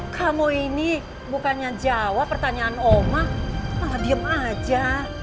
kamu ini bukannya jawab pertanyaan oma pah diem aja